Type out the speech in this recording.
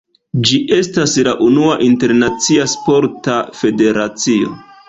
Ĝi estas la unua internacia sporta federacio.